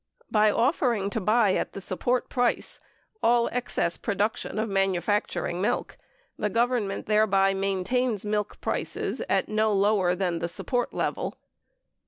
By offering to buy at the support price all excess production of man ufacturing milk, the Government thereby maintains milk prices at no lower than the support level.